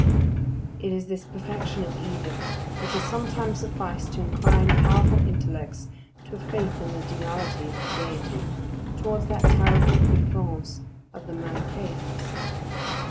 It is this perfection of evil which has sometimes sufficed to incline powerful intellects to a faith in the duality of the Deity, towards that terrible bifrons of the Manichæans.